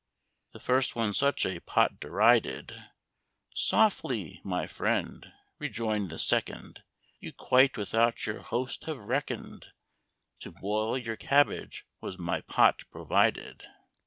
The first one such a pot derided: "Softly, my friend," rejoined the second; "You quite without your host have reckoned; To boil your cabbage was my pot provided!"